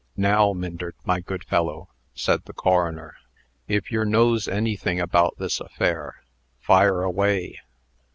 "Now, Myndert, my good fellow," said the coroner, "if yer knows anything about this affair, fire away."